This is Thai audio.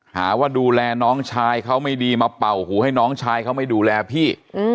หาว่าดูแลน้องชายเขาไม่ดีมาเป่าหูให้น้องชายเขาไม่ดูแลพี่